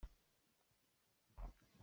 A kik tuk ah an haacang an i rial.